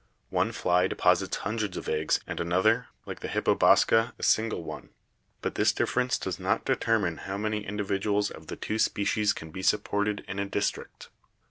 One fly deposits hundreds of eggs and another, like the hippo bosca, a single one; but this difference does not determine how many individuals of the two species can be supported in a district.